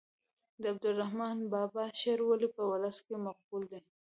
د عبدالرحمان بابا شعر ولې په ولس کې مقبول دی.